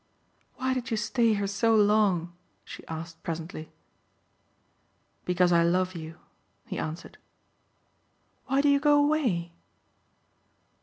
"Why did you stay here so long?" she asked presently. "Because I love you," he answered. "Why do you go away?"